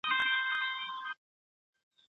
تجربه تر علم ښه ده.